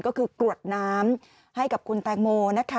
ก็คือกรวดน้ำให้กับคุณแตงโมนะคะ